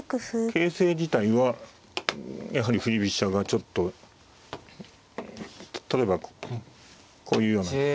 形勢自体はやはり振り飛車がちょっと例えばこういうような。